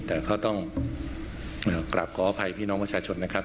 แต่ก็ต้องกราบขออภัยพี่น้องประชาชนนะครับ